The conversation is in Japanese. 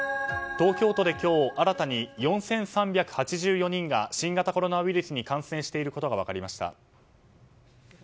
東京都で今日新たに４３８４人が新型コロナウイルスに感染していることが分かりました。